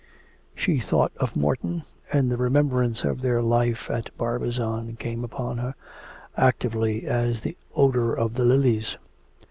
...' She thought of Morton, and the remembrance of their life at Barbizon came upon her, actively as the odour of the lilies.